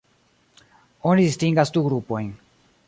Oni distingas du grupojn.